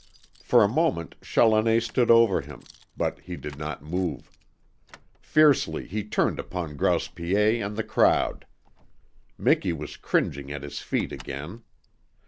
For a moment Challoner stood over him, but he did not move. Fiercely he turned upon Grouse Piet and the crowd. Miki was cringing at his feet again.